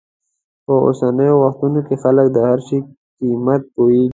په اوسنیو وختونو کې خلک د هر شي په قیمت پوهېږي.